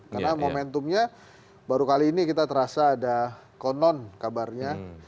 karena momentumnya baru kali ini kita terasa ada konon kabarnya